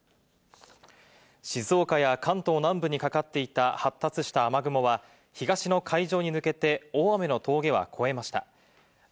静岡や関東南部にかかっていた発達した雨雲は、東の海上に抜けて、大雨の峠は越えました。